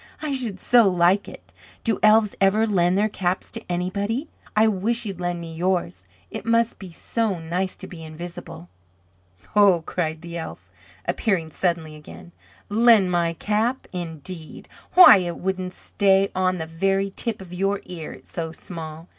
I should so like it. Do elves ever lend their caps to anybody? I wish you'd lend me yours. It must be so nice to be invisible." "Ho," cried the elf, appearing suddenly again. "Lend my cap, indeed! Why it wouldn't stay on the very tip of your ear, it's so small.